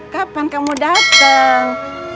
kapan kamu datang